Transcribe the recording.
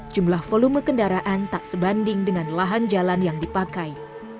jumlah volume kendaraan tak sebanding dengan lahan jalan yang dipakai